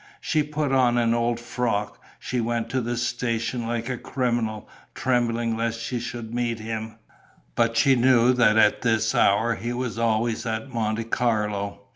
She put on an old frock. She went to the station like a criminal, trembling lest she should meet him. But she knew that at this hour he was always at Monte Carlo.